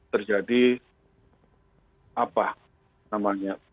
terjadi apa namanya